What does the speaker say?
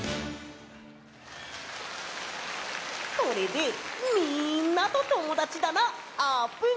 これでみんなとともだちだなあーぷん！